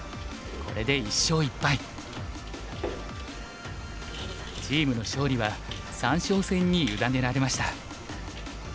これでチームの勝利は三将戦に委ねられました。